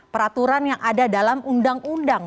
peraturan yang ada dalam undang undang